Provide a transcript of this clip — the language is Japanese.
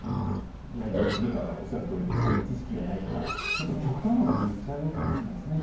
言われてみればおっしゃるとおりであまり知識がないから極端なことを言っちゃうかもしれないですね。